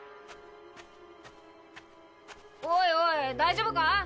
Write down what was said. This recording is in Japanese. おいおい大丈夫か？